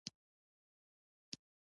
جمعي ذهن خوار ښکارېده